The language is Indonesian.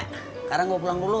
sekarang gua pulang dulu